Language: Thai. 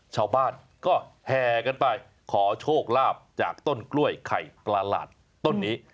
ชาวบ้านก็แห่กันไปขอโชคลาภจากต้นกล้วยไข่ประหลาดต้นนี้